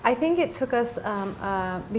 itu membutuhkan kita